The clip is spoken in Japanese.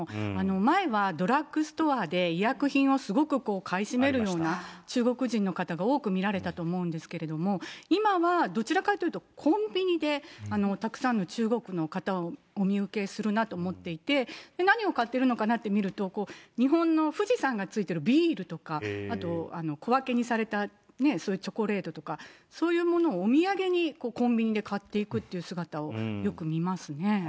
前はドラッグストアで医薬品をすごく買い占めるような中国人の方が多く見られたと思うんですけれども、今はどちらかというとコンビニで、たくさんの中国の方をお見受けするなと思っていて、何を買ってるのかなって見ると、日本の富士山がついてるビールとか、あと小分けにされたチョコレートとか、そういうものをお土産に、コンビニで買っていくという姿をよく見ますね。